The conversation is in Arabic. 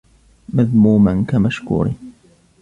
مَذْمُومًا كَمَشْكُورٍ